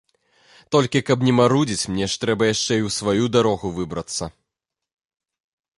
Толькі, каб не марудзіць, мне ж трэба яшчэ і ў сваю дарогу выбрацца.